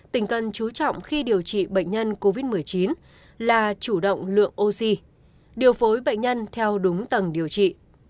tỉnh cần chú trọng khi điều trị bệnh nhân covid một mươi chín là chủ động lượng oxy điều phối bệnh nhân theo đúng tầng điều trị